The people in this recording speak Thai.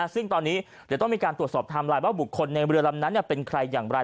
ซึ่งตอนนี้เดี๋ยวต้องมีการตรวจสอบไทม์ไลน์ว่าบุคคลในเรือลำนั้นเป็นใครอย่างไร